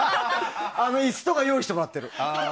椅子とか用意してもらってる。